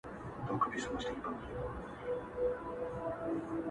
• موږ به خپل دردونه چیري چاته ژاړو -